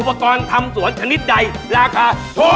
ปกรณ์ทำสวนชนิดใดราคาถูก